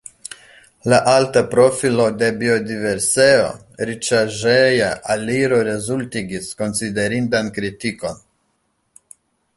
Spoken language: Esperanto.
La alta profilo de biodiverseo-riĉaĵeja aliro rezultigis konsiderindan kritikon.